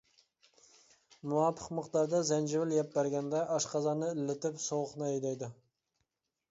مۇۋاپىق مىقداردا زەنجىۋىل يەپ بەرگەندە، ئاشقازاننى ئىللىتىپ، سوغۇقنى ھەيدەيدۇ.